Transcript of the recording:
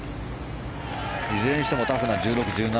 いずれにしてもタフな１６、１７。